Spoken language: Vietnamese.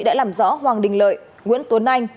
đã làm rõ hoàng đình lợi nguyễn tuấn anh